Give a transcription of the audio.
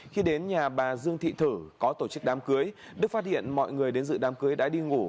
khi đến nhà bà dương thị thử có tổ chức đám cưới đức phát hiện mọi người đến dự đám cưới đã đi ngủ